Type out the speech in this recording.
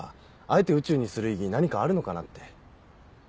あえて宇宙にする意義何かあるのかなって。